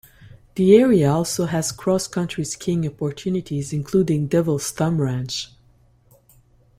The area also has cross-country skiing opportunities, including Devil's Thumb Ranch.